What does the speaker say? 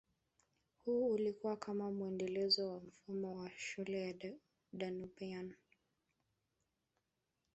Huu ulikua kama muendelezo wa mfumo wa shule ya Danubian